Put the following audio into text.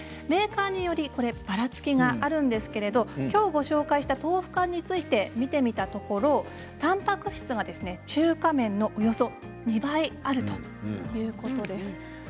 メーカーによりばらつきがあるんですけれどきょうご紹介した豆腐干について見てみたところたんぱく質は中華麺のおよそ２倍になるということです。